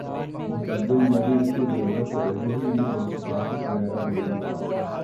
مستقبل میں بھی اس کی ضرورت تو رہے ہی گی جیسے پلاسٹک وغیرہ بنا نا ہوگیا